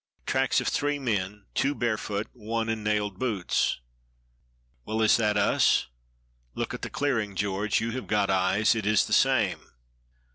"Tracks of three men; two barefoot, one in nailed boots." "Well, is that us?" "Look at the clearing, George, you have got eyes. It is the same."